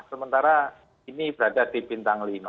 sementara ini berada di bintang lima